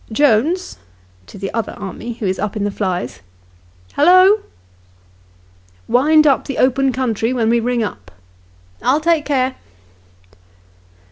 " Jones " [to the other army who is up in the flies]. " Hallo !"" Wind up the open country when we ring up." " I'll take care."